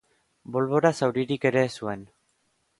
Bolbora zauririk ere ez zuen.